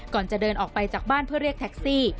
ก่อนจะเดินออกไปจากบ้านเพื่อเรียกแท็กซี่